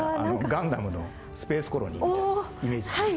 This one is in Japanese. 『ガンダム』のスペースコロニーみたいなイメージです。